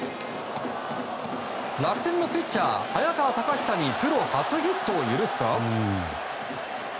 楽天のピッチャー、早川隆久にプロ初ヒットを許すと。